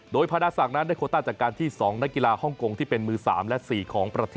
โดยภาษาศักดิ์จัดการที่๒งงนะรกฏิภาคองค่ะ